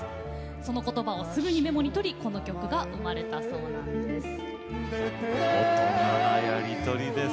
そのことばを、すぐにメモにとりこの曲が生まれたそうです。